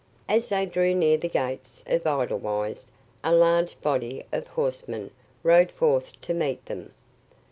As they drew near the gates of Edelweiss, a large body of horsemen rode forth to meet them.